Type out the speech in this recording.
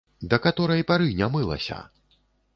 Да каторай пары не мылася!